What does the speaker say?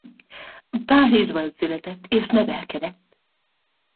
Párizsban született és nevelkedett.